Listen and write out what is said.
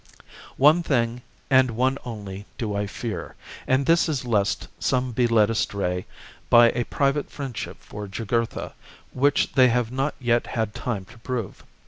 " One thing and one only do I fear, and this is lest some be led astray by a private friendship for Jugurtha, which they have not yet had time to prove.